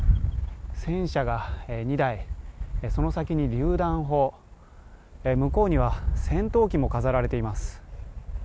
戦車が２台、その先にりゅう弾砲、向こうには戦闘機も飾られています。